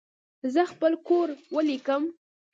زه خپل کور ولیکم.